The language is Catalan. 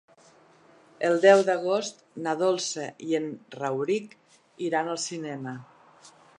El deu d'agost na Dolça i en Rauric iran al cinema.